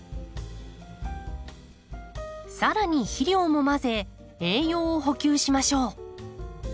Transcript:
さらに肥料も混ぜ栄養を補給しましょう。